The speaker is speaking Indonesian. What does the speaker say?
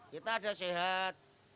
kita ada sehat